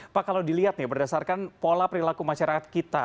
pak kalau dilihat nih berdasarkan pola perilaku masyarakat kita